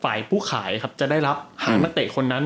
ฝ่ายผู้ขายครับจะได้รับหานักเตะคนนั้น